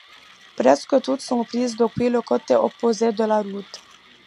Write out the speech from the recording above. Presque toutes sont prises depuis le côté opposé de la route.